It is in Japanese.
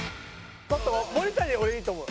ちょっと森田に俺いいと思う。